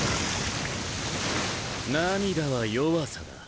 涙は弱さだ。